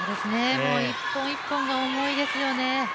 １本１本が重いですよね。